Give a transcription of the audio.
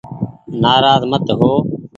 نآراز مت هو